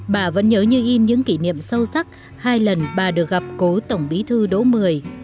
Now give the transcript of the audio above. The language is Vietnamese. bà vẫn nhớ như in những kỷ niệm sâu sắc hai lần bà được gặp cố tổng bí thư đỗ mười